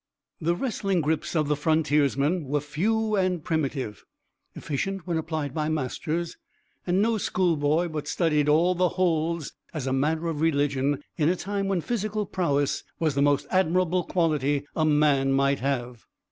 The wrestling grips of the frontiersmen were few and primitive, efficient when applied by masters; and no schoolboy but studied all the holds as matter of religion, in a time when physical prowess was the most admirable quality a man might have.